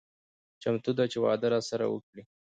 چمتو ده چې واده راسره وکړي.